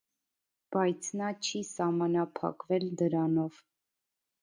Բայց նա չի սահմանափակվել դրանով։